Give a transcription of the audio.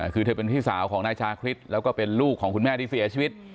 คือเธอเป็นพี่สาวของนายชาคริสแล้วก็เป็นลูกของคุณแม่ที่เสียชีวิต